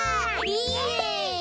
イエイ！